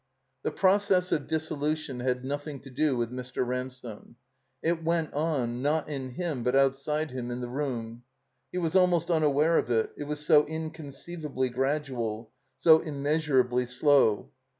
The process of dissolution had nothing to do with Mr. Ransome. It went on, not in him but outside him, in the room. He was almost imaware of it, it was so inconceivably gradual, so immeasurably slow.